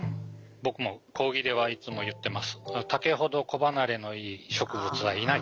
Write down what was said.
僕も講義ではいつも言ってます。